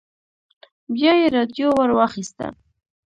بيا يې راډيو ور واخيسته.